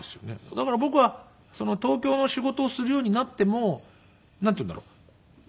だから僕は東京の仕事をするようになってもなんていうんだろう？